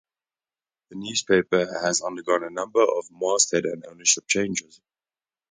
The newspaper has undergone a number of masthead and ownership changes.